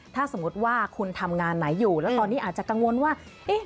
ถ้าสมมุติว่าคุณทำงานไหนอยู่แล้วตอนนี้อาจจะกังวลว่า